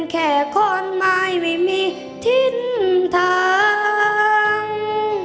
แค่คนไม่มีทิ้นทาง